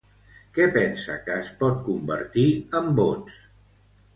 Què pensa que es pot convertir en vots?